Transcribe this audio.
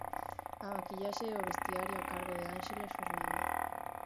A maquillaxe e o vestiario, a cargo de Ánxeles Fernández.